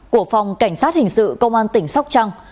của phòng cảnh sát hình sự công an tỉnh sóc trăng